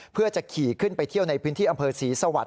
เพื่อจะขี่ขึ้นไปเที่ยวในพื้นที่อำเภอศรีสวรรค